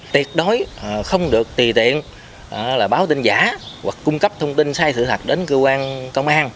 tuyệt đối không được tùy tiện là báo tin giả hoặc cung cấp thông tin sai sự thật đến cơ quan công an